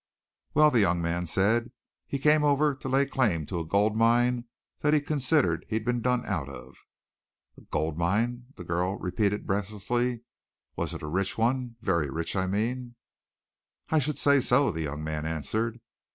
"Well," the young man said, "he came over to lay claim to a gold mine that he considered he'd been done out of." "A gold mine!" the girl repeated breathlessly. "Was it a rich one very rich, I mean?" "I should say so," the young man answered.